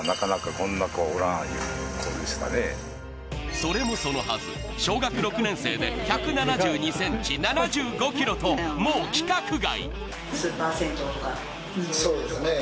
それもそのはず、小学６年生で１７２ｃｍ、７５ｋｇともう規格外。